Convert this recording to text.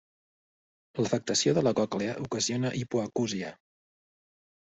L'afectació de la còclea ocasiona hipoacúsia.